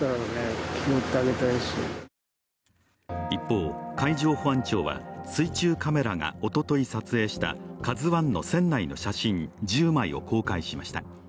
一方、海上保安庁法は水中カメラがおととい撮影した「ＫＡＺＵⅠ」の船内の写真１０枚を公開しました。